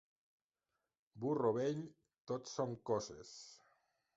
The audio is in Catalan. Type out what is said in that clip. Burro vell, tot són coces.